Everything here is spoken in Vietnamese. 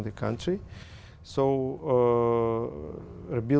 anh đúng rồi